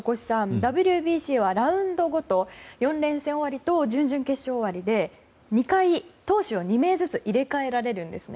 ＷＢＣはラウンド後と４連戦終わりと準々決勝終わりで２回、投手は２名ずつ入れ替えられるんですね。